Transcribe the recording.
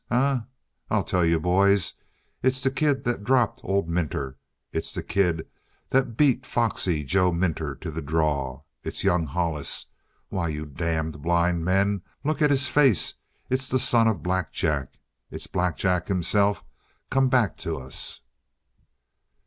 Eh? I'll tell you, boys. It's the kid that dropped old Minter. It's the kid that beat foxy Joe Minter to the draw. It's young Hollis. Why, you damned blind men, look at his face! It's the son of Black Jack. It's Black Jack himself come back to us!"